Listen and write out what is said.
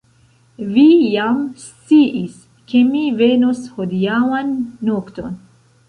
Vi ja sciis, ke mi venos hodiaŭan nokton!